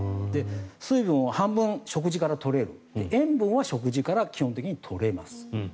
水分を半分食事から取れる塩分は食事から基本的に取れます。